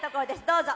どうぞ！